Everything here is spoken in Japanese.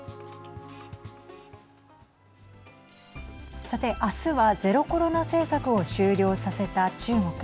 さて明日はゼロコロナ政策を終了させた中国。